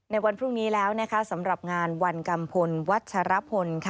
วันพรุ่งนี้แล้วนะคะสำหรับงานวันกัมพลวัชรพล